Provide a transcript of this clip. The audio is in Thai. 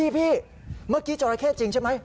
พี่เมื่อกี้จราเข้จริงใช่ไหม